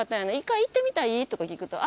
「１回行ってみたい？」とか聞くと